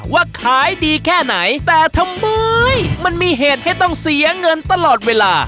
ว่าขายดีแค่ไหนแต่ทำไมมันมีเหตุให้ต้องเสียเงินตลอดเวลา